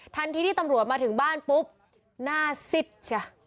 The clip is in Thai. ทันทีที่ตำรวจมาถึงบ้านปุ๊บหน้าซิดจ้ะ